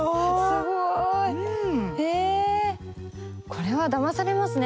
すごい！これはだまされますね